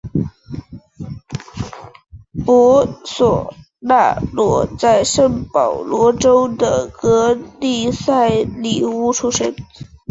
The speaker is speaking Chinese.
博索纳罗在圣保罗州的格利塞里乌出生。